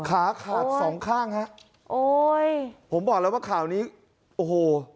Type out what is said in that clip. ขาขาดสองข้างฮะโอ้ยผมบอกแล้วว่าข่าวนี้โอ้โห